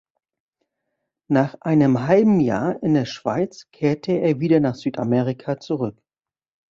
Nach einem halben Jahr in der Schweiz kehrte er wieder nach Südamerika zurück.